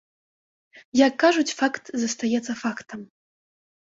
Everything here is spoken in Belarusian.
Як кажуць, факт застаецца фактам.